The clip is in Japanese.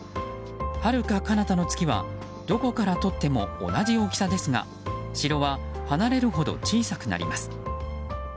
はるかかなたの月はどこから撮っても同じ大きさですが城は離れるほど小さくなります。